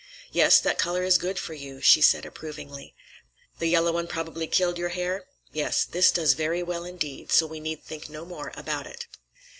"Yes, that color is good for you," she said approvingly. "The yellow one probably killed your hair? Yes; this does very well indeed, so we need think no more about it."